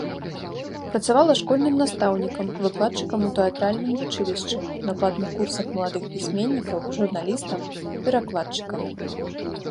Працавала школьным настаўнікам, выкладчыкам у тэатральным вучылішчы, на платных курсах маладых пісьменнікаў, журналістам, перакладчыкам.